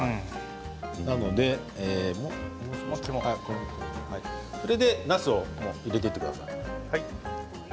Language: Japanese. なのでそれで、なすを入れていってください。